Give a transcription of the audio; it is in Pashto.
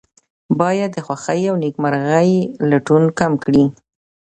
باید د خوښۍ او نیکمرغۍ لټون کم کړي.